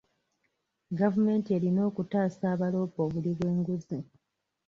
Gavumemti erina okutaasa abaloopa obuli bw'enguzi.